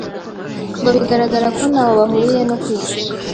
ngo bigaragara ko ntaho bahuriye no kwica